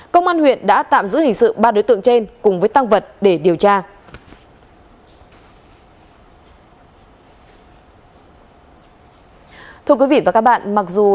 công an huyện đã tạm giữ hình sự ba đối tượng trên cùng với tăng vật để điều tra